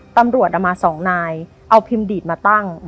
ตำรวจมาสองนายเอาพิมพ์ดีดมาตั้ง